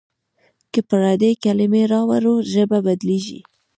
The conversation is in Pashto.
که پردۍ کلمې راوړو ژبه بدلېږي.